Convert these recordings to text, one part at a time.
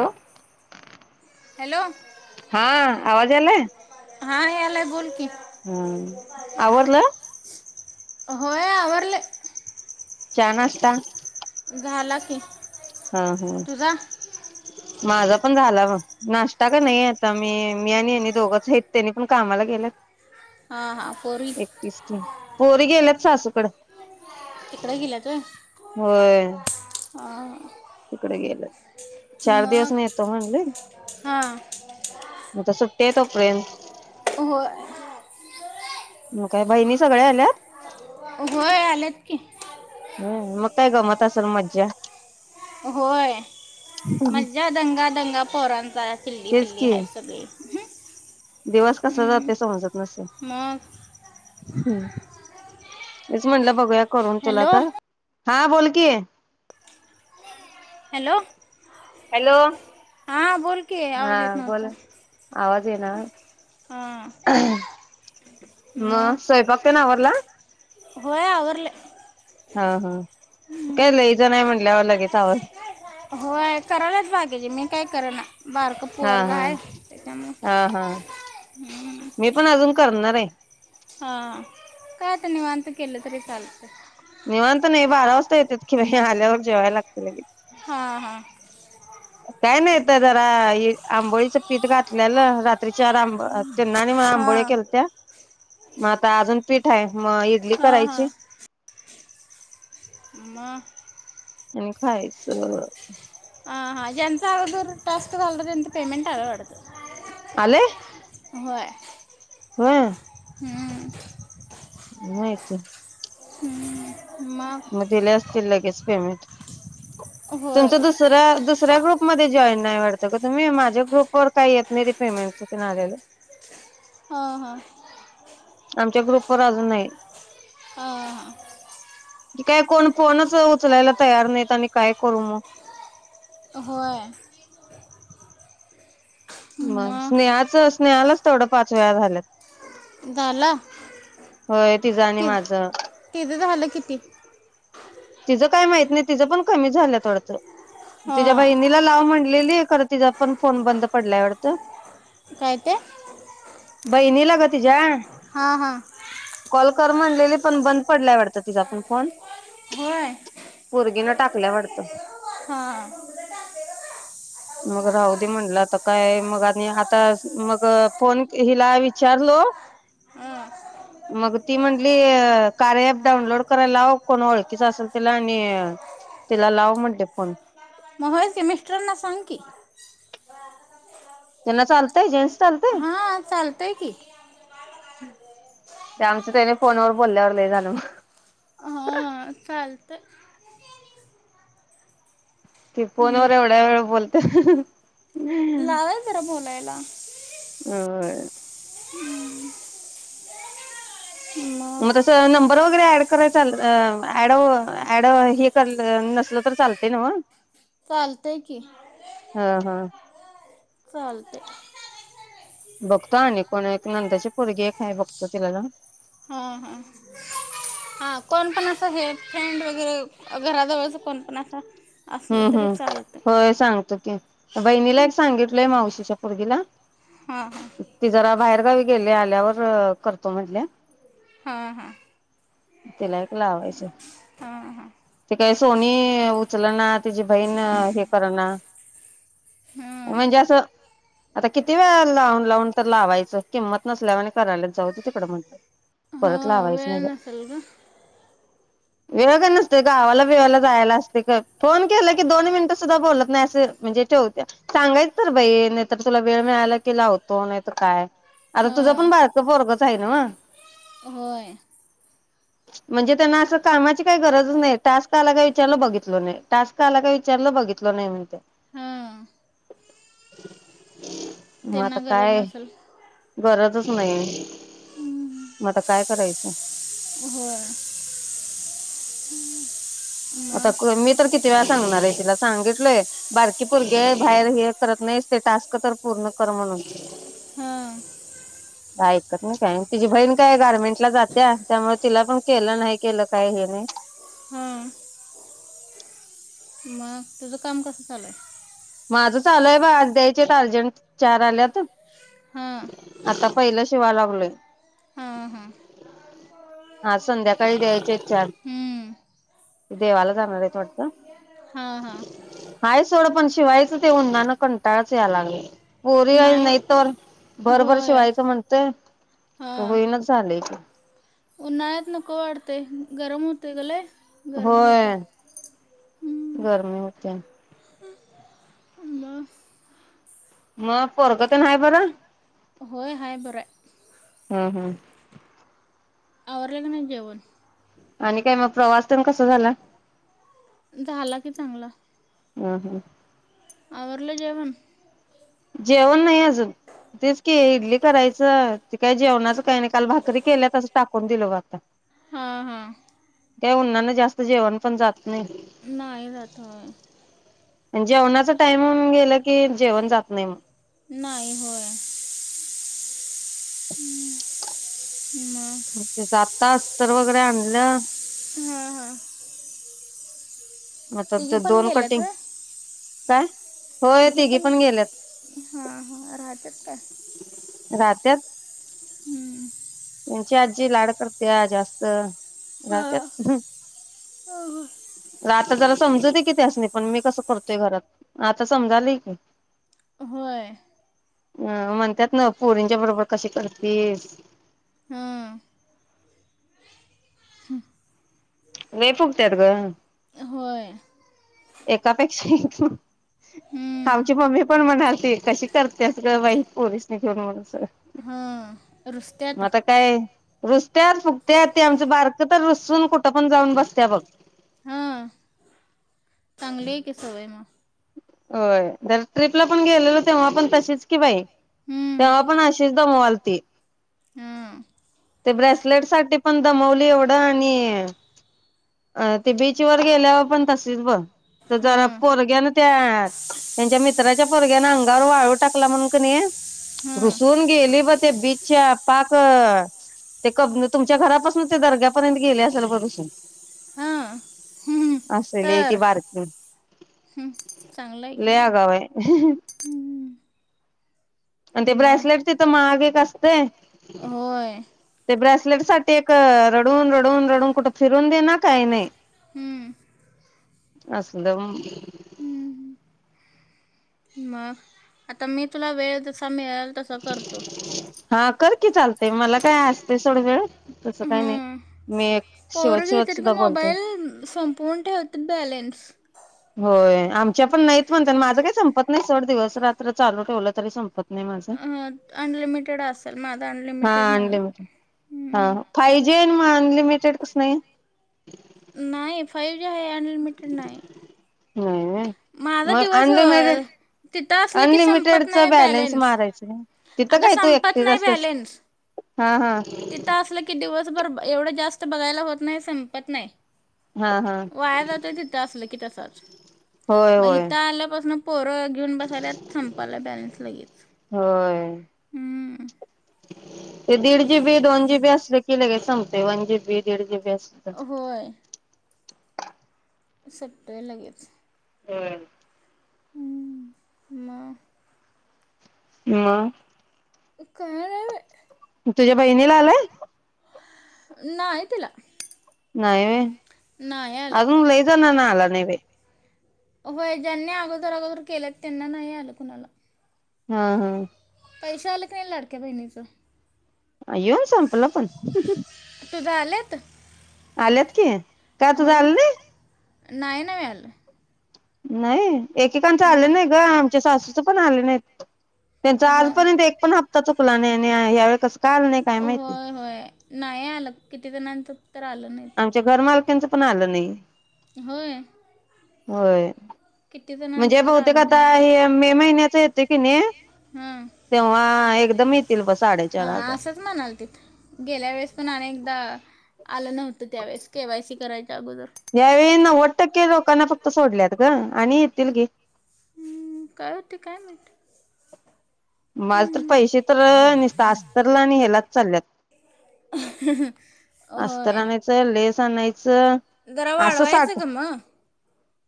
Hello hello हा आवाज यालाय हा यालाय बोल की हम्म आवरल? होय आवरलय चहा नाष्टा झाला की हा हा तुझा माझा पण झाला बघ नाश्ता क नई आता मी मी आणि ह्यांनी दोघंच आहेत त्यांनी पण कामाला गेलत. हा हा पोरी एकटीच की पोरी गेल्यात सासू कड तिकडं गेल्यात होय. हा तिकड गेल चार दिवस मग नेतो म्हणले हा म त सुट्ट्या तोपर्यंत होय. म काय बहिणी सगळ्या आल्यात होय आल्यात की होय मग काय गमत असेल मज्जा होय मज्जा दंगा दंगा पोरांचा चिल्ली तेच पिल्ली की हाईत सगळी दिवस कसा हम्म. जातोय समजत नसल मग हम् तेच म्हटल बघूयात करून तुला हॅलो तर हा बोल की हॅलो हॅलो हां बोल की हा आवाज येत नव्हता बोला आवाज येईना हां म मग स्वयंपाक तेन आवरंला होय आवरलय हा हा काय ल्यायच नाय म्हटल्यावरं लाग ह्याचा आवाज होय करायलाच बाकीचे मी काय कर ना बारक हा पोरग हा हाय त्याच्यामुळं हा हा मी पण अजून करणार रे हा काय आता निवांत केलं तरी चालतय निवांत नाही बारा वाजता येत्यात की हे आल्यावर जेवाय लागत लगीच हा हा [inaudible] काय नाय हिथं जरा ये आंबोळीचं पीठ घातलेलं रात्री चार आंब अ त्यांना आणि मला आंबोळ्या हां केलत्या म आता अजून पीठ हाय मग इडली हां करायची म आणि खायच हा, हा ज्यांचा अगोदर टास्क झालता त्यांचं पेमेंट आल वाटतं. आलंय? होय. व्हय. [inaudible] [unintelligible] मग दिले असतील लगेच. पेमेंट. होय तुमचा दुसऱ्या दुसऱ्याकडं मध्ये जॉईन नाही वाटत का तुम्ही? माझ्या ग्रुपवर काय येत नाही ते पेमेंटच तेन आलेलं. हा, हा. आमच्या ग्रुपवर अजून नाही. हा. क काय कोण फोनच उचलायला तयार नाहीत आणि काय करू मग. होय. मग स्नेहाचं स्नेहालाच तेवढं पाच वेळा झाल्यात. झाला? होय तिझं आणि माझं. तिथं झालं किती? तिचं काय माहित नाही, तिचं पण कमी झाल्यात वाटतं. तिच्या हां बहिणीला लाव म्हण [unintelligible] ली खरं तिचा पण फोन बंद पडलाय वाटतं. काय ते? बहिणीला ग तिज्या हा, हा. कर म्हणलेले पण बंद पडलाय वाटतं तिचा पण फोन. होय. गीनं टाकल्या वाटतं. हा. मग राहू दे म्हणलं आता काय मग आणि आता मग फोन हिला विचारलो, हा मग ती म्हंटली कार्या ॲप डाउनलोड करायला लाव. कोण ओळ कीच असेल तिला आणि तिला लाव म्हंटली फोन. होय की मिस्टरना सांग की. त्यांना चालतंय जेन्स हा चालतंय की. ते आमचं त्याने फोनवर बोलल्यावर लै झालं मग. हा चालतंय. कि फोन हम्म वर एवढ्या वेळ बोलत्या लावायच जरा बोलायला. होय. मग त्याच्या नंबरवर ऍड करायचा अ ऍड ऍड हे करल नसल तर चालत न्हव? चालतय की हा चालतय बघतो आणि कोण हाय एक नंदची पोरगी एक हाय बघतो तिला जाऊन. हा हा हा कोण पण असं हे फ्रेंड वगैरे अ घराजवळच कोण पण असं असलं हम्म तरी हम्म चालतंय होय सांगतो. बहिणीला एक सांगितलय मावशीच्या पोरगीला. हा हा ती जरा बाहेरगावी गेले आल्यावर करतो म्हटले. हां हां तिला एक लावायचंय हां हां ते काय सोनी उचलना. तिची बहीण हे कर ना हां म्हणजे असं आता किती वेळा लावून लावून तर लावायचं किंमत नसल्या वानी करायलेत. जाउदे तिकड म्हटलं हां परत हां लावायचं वेळ नाही बाई. नसेल गं वेळ का नसतोय गावाला बिवाला जायला असतोय का फोन केलं की दोन मिनिट सुद्धा बोलत नाही असं म्हणजे ठेवतीया सांगायच तर बाई नाही तर तुला वेळ मिळाला की लावतो नाही तर काय. आता तुझं हां पण बारक पोरगच थैरना होय म्हणजे त्यांना अस कामाची काही गरजच नाही टास्कला आला का विचारलं बघितलं नाही. टास्क आला का विचारलं बघितलं नाही म्हणतीया. हां त्यांना गरज नसल. गरजच नाही म आता काय करायचं? होय आता मग कोन मी तर किती वेळा सांगणार आहे तिला सांगितलय बारकी पुरगी आहे बाहेर हे करत नाहीस ते टास्क तर पूर्ण कर म्हणून. हां ऐकत नाही काय तिजी बहीण काय गारमेंटला जात्या त्यामुळे तिला पण केलं नाही केलं काय हे नाही. हां मग तुझं काम कसं चालू हाय? माझं चालू हाय बग आज द्यायचे आहेत अर्जंट चार आल्यात. हा आता पहिलं शिवाय लागलोय हां हा संध्याकाळी द्यायचे आहेत चार हम्म, देवाला जाणार आहेत वाटत. हां हां हाय सोड पण शिवायच ते उन्हान कंटाळच याय लागले. पोरी याय नाही नाहीत तोवर भरभर होय शिवायचं म्हणतोय हां होईनाच झालय ते. उन्हाळ्यात नको वाटतय गरम होतय ग लय. गरमी होत्या होय गरमी होतीया. म मग पोरग तेन हाय बर. होय हाय बर हाय. हम्म हम्म आवरलेलं नाही जेवण. आणि काय मग प्रवास तेन कसा झाला झाला की चांगला. हम् हम् आवरलं जेवण? जेवन नाही अजून तेच की इडली करायचं ते काय जेवणाच काही नाही काल भाकरी केल्या तशाच टाकून दिलो ग आता. हम् हम् हे उन्हानं जास्त जेवन पन जात नाही. नाही ना थोय जेवणाचा टाइमिंग गेलं की जेवण जात नाही म नाही होय. मग पुढचे सात तास तर वगैरे आणलं हा हा मग आता ते दोन गेल्यात कटिंग व्हय? काय? तिघी पण हा, हा राहत्यात काय? राहत्यात. हं. ची आजी लाड करतेया जास्त. हां राहत्यात. [inaudible] आता जरा समजू दे की, त्यासनी पण मी कसं करतोय घरात. आता समजालय की. होय. अं म्हणत्यात ना पोरींच्या बरोबर कशी करतीस? हम्म. लई फुगत्यात ग. होय. एकापेक्षा एक हम्म. आमची मम्मी पण म्हणालती कशी करत्यास ग बाई पोरीसनी घेऊन म्हणून असं, हां रुसत्यात मग आता काय रुसत्यात, फुगत्यात ते आमचं बारक तर रुसून कुठं पण जाऊन बसत्या बघ. हं. ली की सवय मग. होय जर ट्रिपला पण गेलेलो तेव्हा पण तशीच की बाई. हम्म. तेव्हा पण अशीच दमवालती. हां ते ब्रेसलेटसाठी पण दमवली एवढं आणि अ ते बीचवर गेल्यावर पण तसच बघ. तर जरा हां पोरग्यान त्या त्यांच्या मित्राच्या पोरग्यान अंगावर वाळू टाकला म्हणून क हां रुसून गेली बघ ते बीच च्या पाक ते कब तुमच्या घरापासून ते दर्ग्यापर्यंत गेली असेल बघ रुसून. हां हम्म. असली हाय ती तर बारकी. हम्म. चांगलं आहे की लई मग अगाव आहे हम्म. आणि ते मग ब्रेसलेट तिथं महाग एक अ ते होय. ते ब्रेसलेटसाठी एक रडून, रडून, रडून कुठ फिरून दे ना काही नाही. हम्म. असल मग हम्म. मग आता मी तुला वेळ जसा मिळेल तस करतो. हा कर की चालतंय मला काय असतय सोड वेळ. तसं काही नाही हम्म. मी पोरं शेवत शेवत घेतात ग सुद्धा बोलते मोबाईल संपवून ठेवत्यात बॅलेन्स. हो आमच्या पण नाहीत [unintelligible] माझं काय संपत नाही सोड दिवस रात्र चालू ठेवलं तरी संपत नाही माझ अनलिमिटेड असेल माझा हा अनलिमिटेड नाही अनलिमटेड हा हं. फाय जी आणि मग अनलिमिटेड [unintelligible] नाही फाय जी आहे अन अनलिमिटेड नाही. हम्म माझा दिवस अ तिथं असलं की संपत अनलिमिटेडचा नाही बॅलन्स मारायच नाही. तिथं अग काय तू संपत एकटीच नाही असतेस बॅलन्स हा हा तिथं असल की दिवसभर एवढ जास्त त्यात बघायला होत नाही संपत नाही. हा हा वाया जातोय तिथं असलं तसं [unintelligible] होय म होय हित आल्यापासन पोरं घेऊन बसाल्यात संपालाय बॅलन्स लगेच होय हं. [inaudible] ते दीड जी बी दोन जी बी असल की लगेच संप [unintelligible] व्यस्त होय सुटतोय लगेच. हम्म हम्म. मग म काय नाही बाई बहिणीला आलाय नायी तिला नाही व्हय नाही आलं अजून लई जणांना आला नाही बाई होय ज्यांनी अगोदर अगोदर केल्यात त्यांना नाही आलं कुणाला. हां हां पैस आलं का नाही लाडक्या बहिणीचं येऊन संपल पण तुज आल्यात? आल्यात की. का तुज आलं नाही? नाही नव्हे आलं. नाही. एकेकांचं न- आलं नाही ग आमच्या सासूचं पण आलं नाहीत. त्यांच होय आजपर्यंत एक पण हप्ता चु- चुकला नाही आणि ह्यावेळी कसं काय आलं नाही काय माहिती. होय होय नाही आलं. किती जणांचं तर आलं नाहीत त्याचं पण आलं नाही होय होय किती जणांचं म्हणजे तर बहुतेक आलं आता नाही हे मे महिन्याच येतंय की नाही तेव्हा एक [inaudible] अ असंच म्हणालतीत गेल्या वेळेस पण अनेकदा आलं नव्हतं त्यावेळेस केवायसी कराय यावेळी नव्वद टक्के लोकांना फक्त सोडल्यात ग आणि येतील घे हम्म काय होते काय माहित मला तर हम्म. पैसे तर निस्ता अस्तरला आणि हेलाच चालल्यात ह ह अस्तर आणायचं लेस आणाय- च जरा असं वाढवायचं साठ- का मग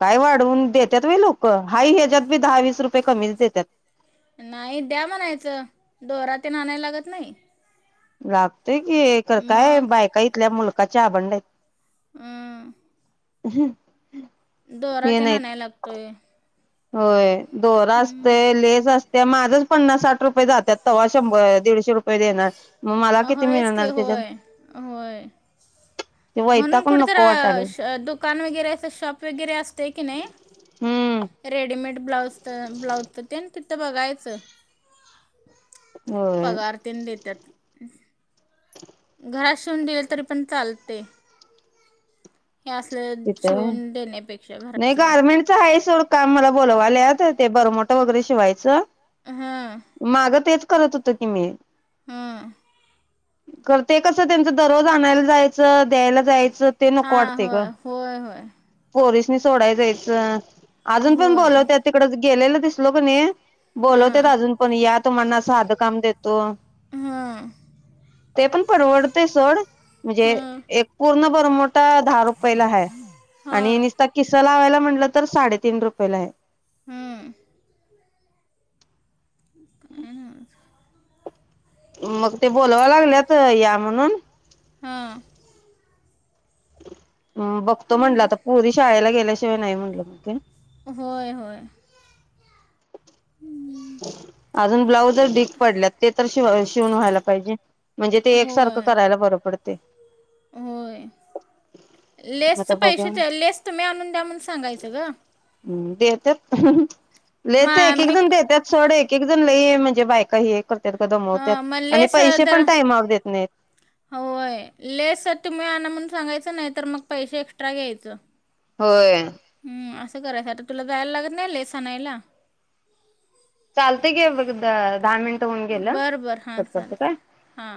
काय वाढवून देत्यात होय लोक हाय ह्याच्यात बी दहावीस नाही द्या म्हणायचं दोरा तेन आणायला लागत नाही लाग- तय की खरं काय मग बायका इथल्या मुल- कच्च्या अबंड हायत आम् हम्म दोरा तेन आणायला लागतोय होय दोरा हम्म. असतंय लेस अस ते माझंच पन्नास साठ रुपये जात्यात तेव्हा शंभर दीडशे रुपये देणार मला मग किती होयच की मिळणार त्याच्यात होय होय ते म्हणून वैतागून कुठ तर नको वाटालय दुकान वगैरे अस शॉप वगैरे अस ते की नाही हम्म रेडीमेड ब्ला ब्लाउज तेनं तिथं बघायचं होय पगारतेन देत्यात घरात शिवून दिली तरी पण चालते हे असलं तिथं होय शिवून देण्यापेक्षा नाही घरातल्या गारमेंटच आहे सोड काम मला बोलवाल्यात ते बरामोट वगैरे शिवायचं हां माग तेच करत होत की मी हम खरं ते कसं त्यांच दररोज आणायला जायचं द्यायला जायचं यचं ते नको हां वाटतयं गं होय होय पोरीसनी सोडाय जायंचं होय अजून पण होय बोलवत्यात तिकडं केलेलो दिसलो कणी बोलवत्यात हां अजून पण या तुम्हाना साधकाम देतो हां ते पण परवडतयं सोड म्हणजे हां एक पूर्ण बरमोठां [unintelligible] रूपयाला हाय आणि हां निसता किसा लावायला म्हटलं तर साडेतीन रुपयला आहे हम्म हं. मग ते बोलवाय लागल्यात या म्हणून हा म बघतो म्हटलं आता पोरी शाळेला गेल्याशिवाय नाही म्हणलं मग ते होय होय अजून ब्लाऊजचं ढीक पडल्यात ते तर श शिवून व्हायला पाहिजे म्हणजे ते एकसारखं होय करायला बरं पडतय होय लेस आता बघूया पैसे लेस तुम्ही आणून द्या म्हनुण सांगायचं ग हम् देत्यात मा लेस एक एक मी जण ते देत्यात एक एक जण लय म्हणजे बायका हे कर ह म लेस जर टाइमावर देत नाहीत. होय लेस तुम्ही आणा म्हणुन सांगायचं नाही तर मग पैसे एक्स्ट्रा घ्यायच होय हम् असं करायसाठी आ तुला जायला लागत नाही लेस आणायला चालतय की घे बघ दहा मिनिट बरं बरं हा चालत हा